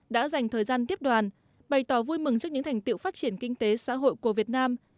đã dành thời gian tiếp đoàn bày tỏ vui mừng trước những thành tiệu phát triển kinh tế xã hội của việt nam